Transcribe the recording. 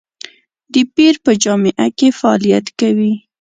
د پیر په جامه کې فعالیت کوي.